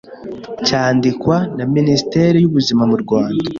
cyandikwa na Minisiteri y'Ubuzima mu Rwanda